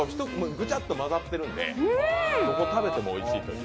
ぐちゃっと混ざってるんで、どこ食べてもおいしいという。